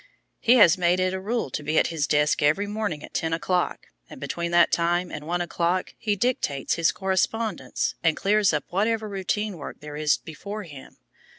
"He has made it a rule to be at his desk every morning at ten o'clock, and between that time and one o'clock he dictates his correspondence, and clears up whatever routine work there is before him.